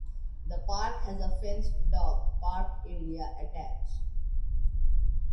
The park has a fenced dog park area attached.